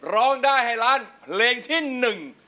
ร้องได้ให้ล้านเพลงที่หนึ่ง